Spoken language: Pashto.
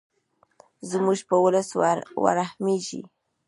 زموږ په ولس ورحمیږې.